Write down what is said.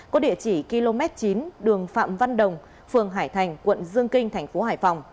có địa chỉ km chín đường phạm văn đồng phường hải thành quận dương kinh tp hcm